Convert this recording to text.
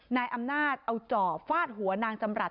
นายอำนาจเอาจ่อฟาดหัวนางจำรัฐ